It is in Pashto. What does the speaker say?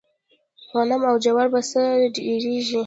غنم او جوار په څۀ ډېريږي؟